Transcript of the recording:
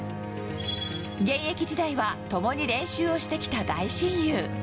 現役時代は共に練習をしてきた大親友。